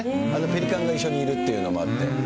ペリカンが一緒にいるっていうのもあって。